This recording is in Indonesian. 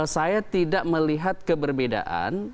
saya tidak melihat keberbedaan